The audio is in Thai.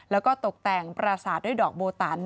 แล้วก็ตกแต่งปราศาสตร์ด้วยดอกโบตัน